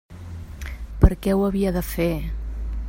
Per què ho havia de fer?